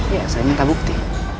ya saya minta bukti